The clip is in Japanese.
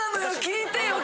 聞いてよ！